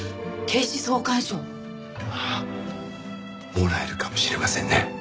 もらえるかもしれませんね。